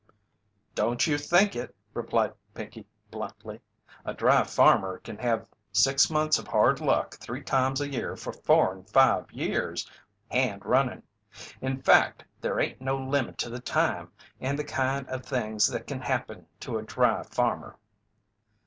"Don't you think it!" replied Pinkey, bluntly. "A dry farmer kin have six months of hard luck three times a year for four and five years, hand runnin'. In fact, they ain't no limit to the time and the kind of things that kin happen to a dry farmer."